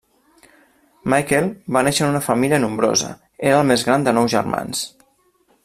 Michael va néixer en una família nombrosa, era el més gran de nou germans.